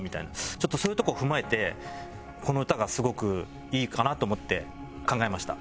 ちょっとそういうとこを踏まえてこの歌がすごくいいかなと思って考えました。